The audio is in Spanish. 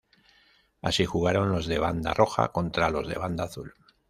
Así jugaron los de banda roja contra los de banda azul.